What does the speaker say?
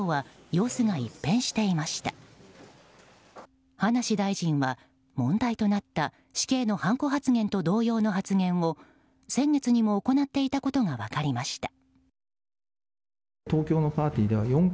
葉梨大臣は問題となった死刑のはんこ発言と同様の発言を先月にも行っていたことが分かりました。